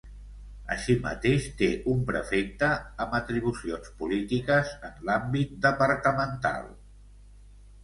Així mateix, té un prefecte amb atribucions polítiques en l'àmbit departamental.